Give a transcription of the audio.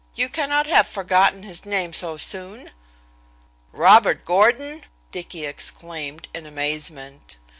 You cannot have forgotten his name so soon." "Robert Gordon!" Dicky exclaimed in amazement.